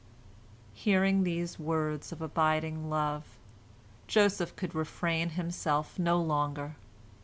Hearing these words of abiding love, Joseph could refrain himself no longer.